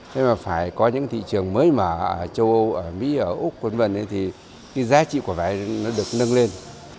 thế mà phải có những thị trường mới mà châu âu mỹ úc v v thì giá trị quả bài thiều nó được nâng lên